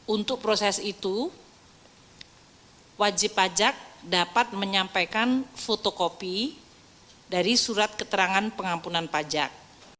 untuk proses itu wajib pajak dapat menyampaikan fotokopi dari surat keterangan pengampunan pajak